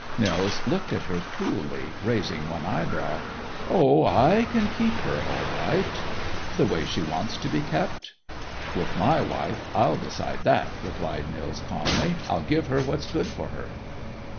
Nils looked at her coolly, raising one eyebrow. "Oh, I can keep her, all right." "The way she wants to be kept?" "With my wife, I'll decide that," replied Nils calmly. "I'll give her what's good for her."